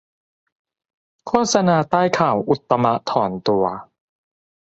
โฆษณาใต้ข่าวอุตตมถอนตัว